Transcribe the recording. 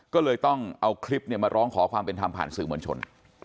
ก็เลยต้องเอาคลิปมาร้องขอความเป็นธรรมผ่านสื่อมวลชน